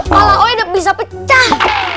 kalau itu sudah bisa pecah